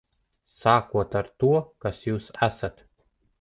Sākot ar to, kas jūs esat.